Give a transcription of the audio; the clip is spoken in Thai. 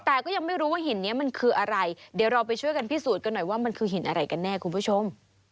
แต่ก็ยังไม่รู้ว่าหินนี้มันคืออะไรเดี๋ยวเราไปช่วยกันพิสูจน์กันหน่อยว่ามันคือหินอะไรกันแน่คุณผู้ชม